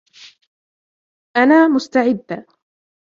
أنا مستعدة.